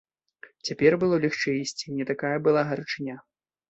Цяпер было лягчэй ісці, не такая была гарачыня.